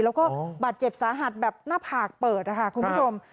แล้วก็บาดเจ็บสาหัสแบบหน้าผากเปิดนะคะคุณผู้ชม